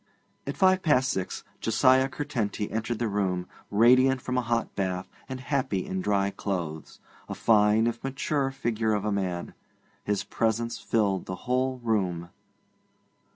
At five past six Josiah Curtenty entered the room, radiant from a hot bath, and happy in dry clothes a fine, if mature, figure of a man. His presence filled the whole room.